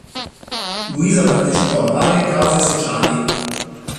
Luisa partecipò a varie cause sociali.